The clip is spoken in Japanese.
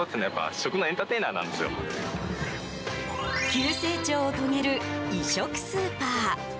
急成長を遂げる異色スーパー。